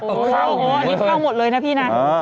โอ้โหอันนี้เข้าหมดเลยนะพี่นะ